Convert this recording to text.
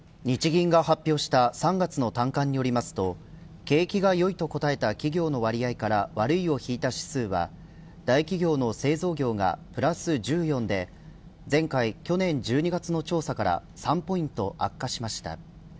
日銀が発表した３月の短観によりますと景気が良いと答えた企業の割合から悪いを引いた指数は大企業の製造業がプラス１４で前回去年１２月の調査から３ポイント悪化しました。